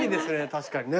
確かにね